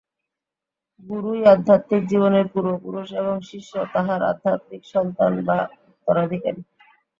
গুরুই আধ্যাত্মিক জীবনের পূর্বপুরুষ এবং শিষ্য তাঁহার আধ্যাত্মিক সন্তান বা উত্তরাধিকারী।